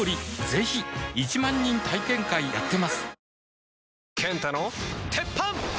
ぜひ１万人体験会やってますはぁ。